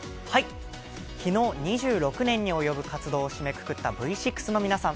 昨日、２６年に及ぶ活動を締めくくったＶ６の皆さん。